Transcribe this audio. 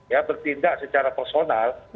ya bertindak secara personal